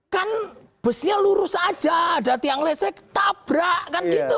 kan busnya lurus aja ada tiang lesek tabrak kan gitu